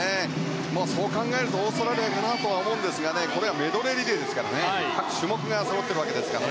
そう考えるとオーストラリアかなとは思うんですがこれはメドレーリレーですから各種目がそろってるわけですから。